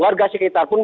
warga sekitar pun